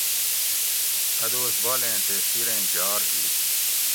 اٞ دوس بالیں تے سِیریں جھار ہی